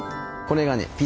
これがね